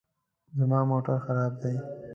زما موټر خراب دی